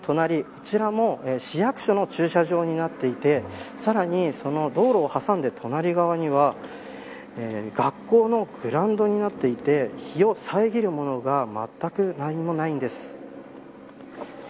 こちらも市役所の駐車場になっていてさらに道路を挟んで隣側には学校のグラウンドになっていて日を遮るものがまったく何もないんです。